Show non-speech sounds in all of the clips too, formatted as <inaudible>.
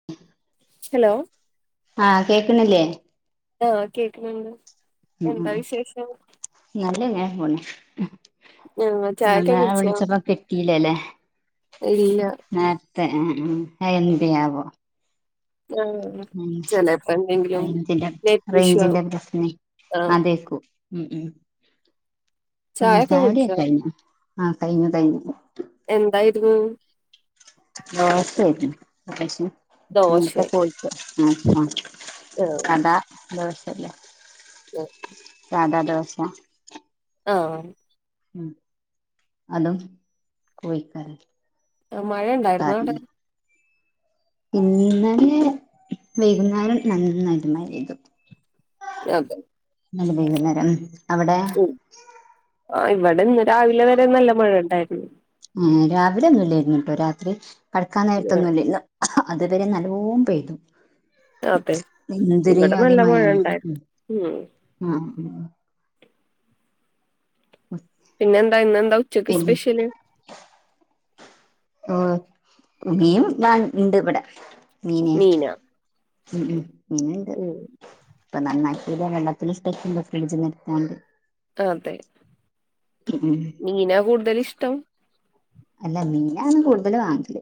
<unintelligible> Hello ആഹ് കേക്ക് ന്നി ല്യേ?. ആഹ് കേക്ക് ന്ന്ണ്ട്. ഉം ഉം നല്ലേ. ങ്ങനെ പൊണ്. ആഹ് ങ്ങൾ ചായൊക്കെ ന്നേലെ കുടിച്ചോ വിളിച്ചപ്പൊ കിട്ടീലല്ലേ. ഇല്ല നേ ആ ആഅയന്തിനാഅവോ? ആഹ് ഉം ചെലപ്പോ എന്തെങ്കിലും റേഞ്ചിൻ്റെ നെറ്റ് ഇഷ്യൂ റേയിഞ്ചിന്റെ ആവും പ്രശനേ ആഹ് അതേക്കൂ ഉം ഉം ഉ ചായൊക്കെ ചായകുടിയൊക്കെ കുടിച്ചോ കയിഞ്ഞു. ആഹ് കഴിഞ്ഞു കഴിഞ്ഞു. എന്തായിരുന്നു. ദോശ ആയിരുന്നു കഴിച്ച നീട്ട ദോശെ കോഴിക്ക <unintelligible> ആഹ് കടാന്തോഷല്ലേ ഏ സാധാ ദോശ. ആഹ ഉ അതും കോയിക്കറിം ആ മഴയ ഉണ്ടായിരുന്നോ അവിട? ഇന്നലെ വൈകുന്നേരം നന്നായിട്ട് മഴ പെയ്തു. അതെ ഇന്നലെ വൈകുന്നേരം. ഉം ഉം ആ ഇവിടെന്ന് രാവിലെ വരെ നല്ല മഴ ഉണ്ടായിരുന്നു. ഏ രാവിലെ ഒന്നു ഇല്ലായിരുന്നു ട്ടോ രാത്രി കടക്കാൻ ആഹ് നേരത്തൊന്നുംല്ലാരുന്നു. അതുവരെ നല്ലോ പെയ്തു. അതെ ഇവിടെ എന്തുരുയാതി നല്ല മഴ മഴയാണ് ഉണ്ടായിരുന്നു ഉം ഉം ഉ ഉ പിന്നെ എന്താ ഇന്ന് എന്താ ഉച്ചക്ക് പിന്നെ സ്പെഷ്യല്? ഓ മീൻ ഞാൻ ഇണ്ട് ഇവിടെ മീനെ മീനാ ഉം ഉം പിന്നന്ത് ഉം ഇപ്പൊ നന്നാക്കില്ല വെള്ളത്തി ഇട്ടച്ച്ണ്ട് ഫ്രിഡ്ജ്ന്ന് ഇട്ത്ത് കാണ്ട് അതെ ഉം മീനാ കൂടുതലിഷ്ടം? അല്ല മീനാണ് കൂടുതല് വാങ്ങല്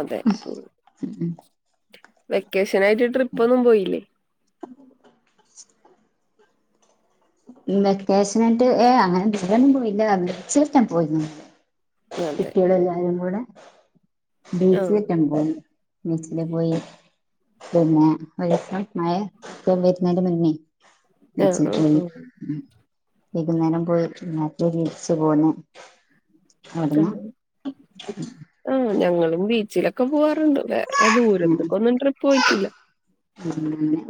അതെ ഉം ഉം വെക്കേഷൻനായിട്ട് ട്രിപ്പ് ഒന്നും പോയില്ലേ? <inaudible> വെക്കേഷനായിട്ട് ഏ അങ്ങനെ ഒന്നും പോയില്ല ഡ്രസ്സ്ട്ക്കാൻപോയിരുന്നു. അതെ കുട്ടികള എല്ലാവാരും കൂടെ ആഹ് ബീച്ചിലറ്റം പോയി ബീച്ചില് പോയി. പിന്നെ വെലിയേട്ടൻ മഴ വരുന്നതിന്റെ മുന്നേ ആഹ് ബീച്ചിൽ ആഹ് പോയി ആഹ് വൈകുന്നേരം പോയിട് തിരിച്ചു പോന്നു അവിട്ന്നു ആ ഞങ്ങളും ബീച്ചിലൊക്കെ പോവാറുണ്ട് വേറെ ദൂരത്ത്ക്ക് ഒന്നും ട്രിപ്പ് പോയിട്ടില്ല.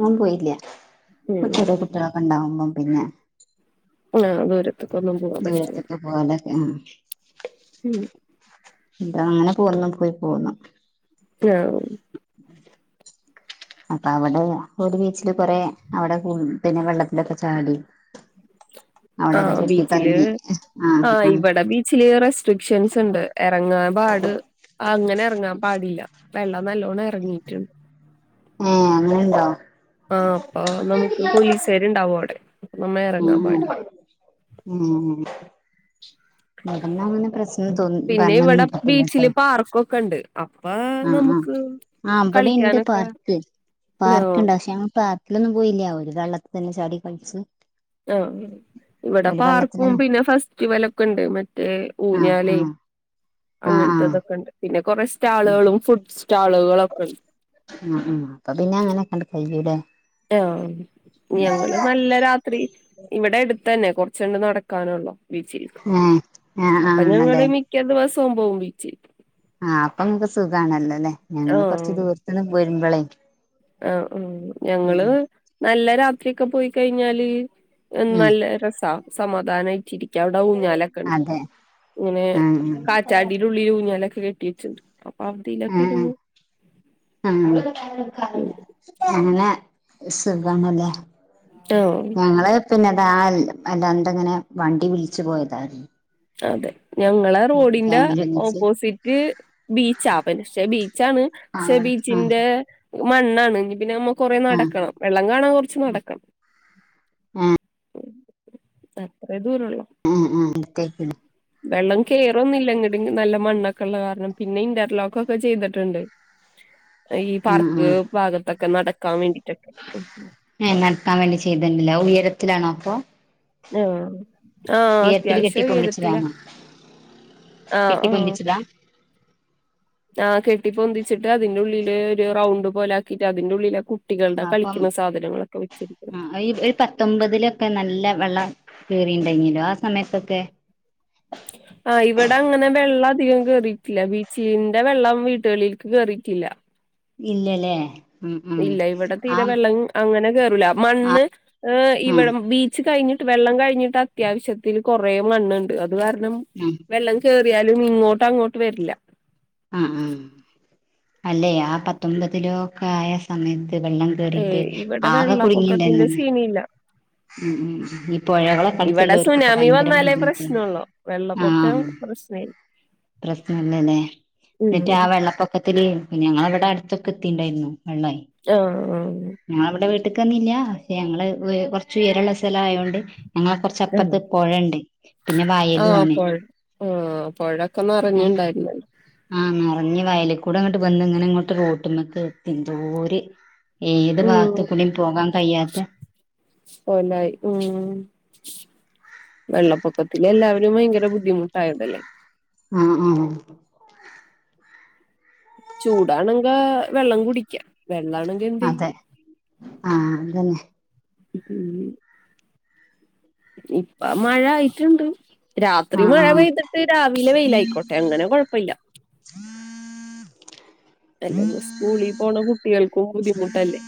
ഞാൻ പോയില്ല ഇപ്പ ഉം ചെറിയ കുട്ടികളൊക്കെ ഉണ്ടാവുമ്പോ പിന്നെ ആ വരും <unintelligible> ദൂരത്തൊക്കെ പോവാലൊക്കെ ഉം എന്ത അങ്ങനെ പോന്നും പോയി പോന്നു <unintelligible> അപ്പ അവിടെ ഒരു ബീച്ചില് കൊറെ അവിടെ പിന്നെ വെള്ളത്തിലക്കെ ചാടി അവിടെൊക്കെ ആഹ് ചുറ്റി ബീച്ചില് കറങ്ങി ആഹ് ഇവിടെ ബീച്ചില് റെസ്ട്രിക്ഷൻസ് ഉണ്ട് ഇറങ്ങാൻ പാട് അങ്ങനെ ഇറങ്ങാൻ പാടില്ല വെള്ളം നല്ലോണ്ണം ഇറങ്ങിയിട്ടുണ്ട്. ഏഹ് അങ്ങനെണ്ടോ ആഹ് അപ്പൊ നമുക്ക് പോലീസാര് ഇണ്ടാവും അവിടെ നമ്മ ഇറങ്ങാൻ ഉം പാടില്ല ഉ ഉം ഉ ഇവിടെന്നങ്ങനെ പ്രശ്നം തോന്നു പിന്നെ ഇവിടെ പർഞ്ഞൊന്നും ഇല്ലാട്ടോ ബീച്ചില് പാർക്കൊക്കെ ഉണ്ട് അപ്പ ആഹ് ആഹ് നമുക്ക് ആഹ് അവിടെ ഇണ്ട് കളിക്കാനൊക്കെ പാർക്ക് ആ പാർക്ണ്ട് പക്ഷെ ഞങ്ങൾ പാർക്ക് ക്ക്‌ലൊന്നും പോയില്ല ഓല് വെള്ളത്തില് ചാടി കളിച്ച് ആഹ് ഇവിടെ ഓല് പാർക്കും വെള്ളത്തിലന്നെ പിന്നെ ഫെസ്റ്റിവല് ഒക്കെണ്ട് മറ്റേ ആഹ് ഊഞ്ഞാലെയ് ആഹ് ആഹ് ആഹ് അങ്ങൻത്തെതൊക്കെണ്ട് പിന്നെ കൊറേ സ്റ്റാളുകളും ഫുഡ് സ്റ്റാളുകളൊക്കെ ഉണ്ട് ഉ ഉം അപ്പൊ പിന്നെ അങ്ങനെയൊക്കെണ്ട് കയ്യൂലെ ആഹ് ഞങ്ങള് നല്ല രാത്രി ഇവിടെ അടുത്തന്നെ കുറച്ച് അങ്ങ് നടക്കാനള്ളോ ബീച്ചിൽക്ക് ഏഹ് ആഹ് ആഹ് ആണല്ലെ മിക്ക ദിവസവും പോവും ബീച്ച് ആഹ് അപ്പൊ നിങ്ങക്ക് സുഖാണല്ലൊലെ ഞങ്ങള് കുറച്ച് ആ ദൂരത്തന്ന പോരുമ്പളേ ആഹ് ഉ ഞങ്ങള് നല്ല രാത്രിക്കെ പോയി കഴിഞ്ഞാല് ഉം നല്ല രസാ സമാധാനായിട്ടിരി ക്ക അവിടെ ഊഞ്ഞാലൊക്കെണ്ട് അതെ പിന്നെ ആഹ് കാറ്റാടിയിടുള്ളില് ഊഞ്ഞാലൊക്കെ കെട്ടിട്ട്ണ്ട് അപ്പൊ ആഹ് ആഹ് അതിലൊക്കെയിരിന്നു ആഹ് അങ്ങനെ സുഖാണ്ലെ ആഹ് ഞങ്ങള് പിന്നെതാ എന്തങ്ങനെ വണ്ടി വിളിച്ചു പോയതാ അതെ ഞങ്ങളെ റോഡിന്റെ ഫാമിലി ഒന്നിച്ച് ഓപ്പോസിറ്റ് ബീച്ച ആ പക്ഷേ ബീച്ചാണ് പക്ഷേ ആഹ് ആഹ് ബീചിന്റെ മണ്ണാണ് ഇഞ്ഞി പിന്നെ നമ്മ ആഹ് കൊറെനടക്കണം വെള്ളം കാണാൻ കുറച്ച് നടക്കണം ആഹ് അത്രേ ദൂരള്ളൂ ആഹ് ആഹ് അടുത്തേയ്ക്കുലെ വെള്ളം കേറൊന്നുല്ല ഇങ്ങട് നല്ല മണ്ണൊക്കെ ഇള്ള കാരണം പിന്നെ ഇന്റർലോക്കക്കെ ചെയ്തിട്ടുണ്ട് ഈ ആഹ് പാർക്ക് ആഹ് ഭാഗത്തൊക്കെ നടക്കാൻ വേണ്ടിട്ടൊക്കെ ഉം ഏഹ് നടക്കാൻ വേണ്ടി ചെയ്ത്ണ്ട്ല്ലേ അഹ് ഉയരത്തിലാണോ അപ്പൊ ആഹ് ആഹ് ഉയരത്തില് കെട്ടി അത്യാവശ്യം ഉയരത്തില പൊന്തിച്ചതാണോ ആഹ് കെട്ടി ആഹ് പൊന്തിച്ചതാ ആഹ് കെട്ടിപ്പൊന്തിച്ചിട്ട് അതിന്റെ ഉള്ളില് ഒരു റൗണ്ട് പോലാക്കീട്ട് അതിന്റെ ഉള്ളിലാ കു ട്ടികൾടെ അപ്പം കളിക്കണ സാധനങ്ങളൊക്കെ വെച്ചിരിക്കുന്നത് ആഹ് ഈ ഒരു പത്തൊമ്പതിലൊക്കെ നല്ല വെള്ളം കേറിണ്ടങ്കിലോ ആ സമയത്തൊക്കെ ആഹ് ഇവിടെ അങ്ങനെ വെള്ളം അധികം കേറിട്ടില്ല ബീച്ചിന്റെ വെള്ളം വീട്ടുകൾക്ക് കേറിട്ടില്ല ഇല്ലലേ ഇല്ല ഇവിടെ തീരെ വെള്ളം അങ്ങനെ കേറൂല മണ്ണ് ആഹ് ഏ ഉം ഇവിടെ ബീച്ച് കഴിഞ് ട്ട് വെള്ളം കഴിഞ്ഞിട്ട് അത്യാവശ്യത്തിന് കൊറേ മണ്ണ്ണ്ട് അത് കാരണം ഉം വെള്ളം കേറിയാലും ഇങ്ങോട്ട് അങ്ങോട്ട് വര്ല ആഹ് ആഹ് അല്ലെ ആ പത്തൊമ്പതിലോക്കെ ആയ സമയത്ത് വെള്ളം ഏയ് കേറിട്ട് ഇവിടെ ആകെ കുടുങ്ങിണ്ടാന്ന് വെള്ളപ്പൊക്കത്തിന്റെ സീനില്ല. ഉം ഉം ഉം ഈ പൊഴകളൊക്കെ ഇവിടെ അടുത്തുള്ളോർക്കൊക്കെ സുനാമി ഭയങ്കര വന്നാലേ ബുദ്ധിമുട്ടേനു പ്രശ്നൊള്ളൂ. വെള്ളപ്പൊക്കം പ്രശ്നായി പ്രശ്നല്ലലേ ഉം എന്നിട്ട് ആ വെള്ളപ്പൊ ക്കത്തിലി പിന്നെ ഞങ്ങളവിടെ അടുത്തൊക്കെ എത്തിണ്ടായിരുന്നു വെള്ളെ ആഹ് ആഹ് ഞങ്ങളവിടെ വീട്ടക്ക് വന്നില്ല പക്ഷെ ഞങ്ങള് കൊറച്ച് ഉയരള്ള സ്ഥലം ആയോണ്ട് ഞങ്ങള് കൊറ ആഹ് ച്ചപ്പറത്ത് പുഴണ്ട് പിന്നെ വയലും ആഹ് ആണ് പൊഴ ആഹ് പൊഴൊക്കെ ഏഹ് നെറഞ്ഞുണ്ടായിരുന്നല്ലോ. ആഹ് നെറഞ്ഞ് വയലിക്കൂടെ ഇങ്ങട്ട് വന്ന് ഇങ്ങനെ ഇങ്ങോട്ട് റോട്ട്മക്ക് എന്തോര് ഏത് ഉം ഭാഗത്തുക്കുടെം പോകാൻ കഴിയാത്ത പോലായി ഉം വെള്ളപ്പൊക്കത്തിൽ എല്ലാവരും ഭയങ്കര ബുദ്ധിമുട്ടായതല്ലേ ആഹ് ആഹ് ഉം ചൂടാണെങ്ക വെള്ളം കുടിക്കാം അതെ ആഹ് അതന്നെ ഹും ഉം ഇപ്പം മഴ ആയിട്ടുണ്ട് രാത്രി ആഹ് മഴ ആഹ് പെയ്ത് ട്ട് രാവിലെ വെയില് ആയിക്കോട്ടെ അങ്ങനെ കൊഴപ്പമില്ല അലെങ്കി സ്കൂളിൽ പോണ കുട്ടികൾക്കും ബുദ്ധിമുട്ടല്ലേ